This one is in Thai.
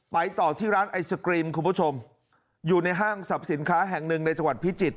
ต่อที่ร้านไอศกรีมคุณผู้ชมอยู่ในห้างสรรพสินค้าแห่งหนึ่งในจังหวัดพิจิตร